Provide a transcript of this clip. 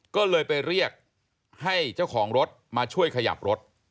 ก็เลยไปเรียกให้เจ้าของรถมาช่วยขยับรถ